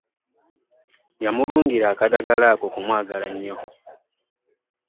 Yamulungira akaddagala ako kumwagala ennyo.